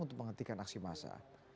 untuk menghentikan aksi massa